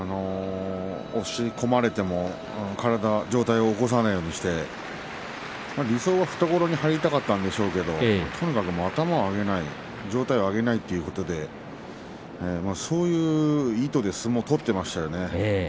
押し込まれても上体を起こさないようにして理想は懐に入りたかったんでしょうけれどとにかく頭を上げない上体を上げないということでそういう意図で相撲を取っていましたね。